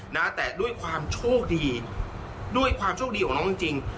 นะแต่ด้วยความโชคดีด้วยความโชคดีของน้องจริงจริง